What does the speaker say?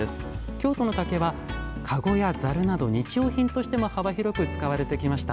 京都の竹は籠やざるなど日用品としても幅広く使われてきました。